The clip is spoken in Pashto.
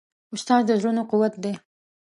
استاد د زړونو قوت دی.